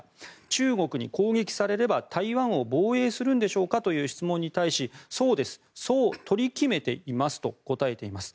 中国に攻撃されれば台湾を防衛するんでしょうかという質問に対しそうですそう取り決めていますと答えています。